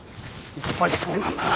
やっぱりそうなんだな。